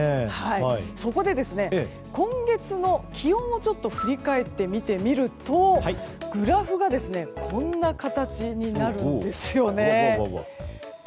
そこで、今月の気温を振り返って見てみるとグラフがこんな形になるんですよね。